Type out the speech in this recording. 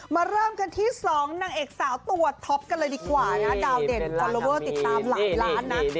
เริ่มกันที่๒นางเอกสาวตัวท็อปกันเลยดีกว่านะดาวเด่นฟอลลอเวอร์ติดตามหลายล้านนะ